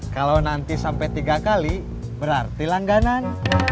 kalau nanti sampai tiga kali berarti langganan